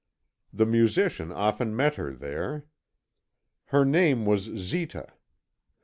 The musician often met her there. Her name was Zita.